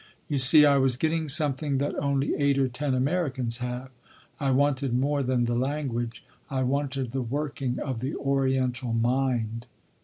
You see, I was getting something that only eight or ten Americans have. I wanted more than the language. I wanted the working of the Oriental mind.